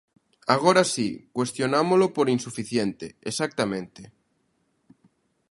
Agora si, cuestionámolo por insuficiente, exactamente.